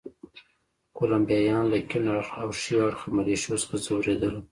کولمبیایان له کیڼ اړخه او ښي اړخه ملېشو څخه ځورېدل.